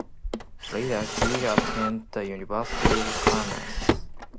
Later, he attended the University of Kansas.